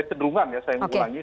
kecenderungan ya saya mengulangi